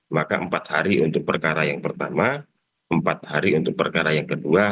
maka empat hari untuk perkara yang pertama empat hari untuk perkara yang kedua